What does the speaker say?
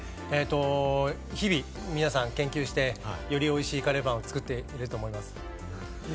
日々皆さん研究して、より美味しいカレーパンを作っていいると思います。